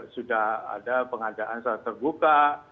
sudah ada pengadaan secara terbuka